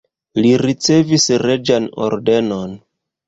Li ricevis reĝan ordenon.